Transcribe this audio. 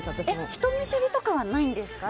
人見知りとかはないですか。